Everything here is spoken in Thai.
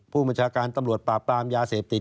ผู้บัญชาการตำรวจปราบปรามยาเสพติด